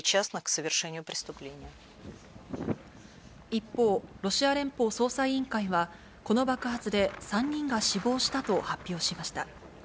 一方、ロシア連邦捜査委員会はこの爆発で３人が死亡したと発表しました。